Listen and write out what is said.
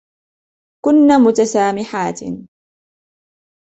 كنن متسامحات.